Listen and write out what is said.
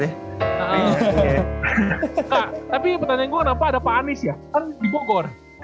nah tapi pertanyaan gue kenapa ada pak anies ya kan di bogor